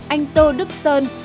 anh tô đức sơn